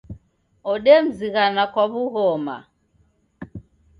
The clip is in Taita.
Odemzighana kwa w'ughoma